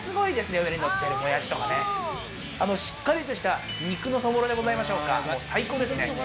上にのってるモヤシとか、しっかりとした肉のそぼろでございましょうか。